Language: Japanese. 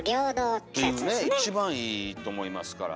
っていうね一番いいと思いますから。